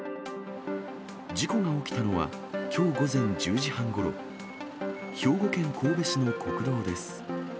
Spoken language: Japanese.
事故が起きたのはきょう午前１０時半ごろ、兵庫県神戸市の国道です。